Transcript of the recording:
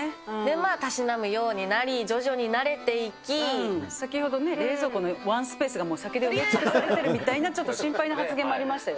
まあ、たしなむようになり、先ほどね、冷蔵庫のワンスペースがもう酒で埋め尽くされてるみたいな、ちょっと心配な発言もありましたよ。